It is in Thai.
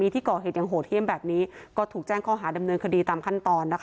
ที่เจอมาพูดดีทุกคนนิดใสก็ดีด้วย